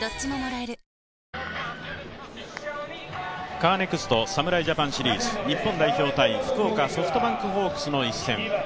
カーネクスト侍ジャパンシリーズ、日本代表×福岡ソフトバンクホークスの一戦。